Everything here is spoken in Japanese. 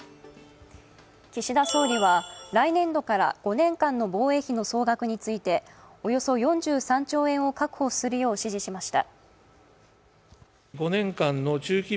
岸田総理は来年度から５年間の防衛費の総額についておよそ４３兆円を確保するよう指示しました。